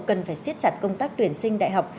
cần phải siết chặt công tác tuyển sinh đại học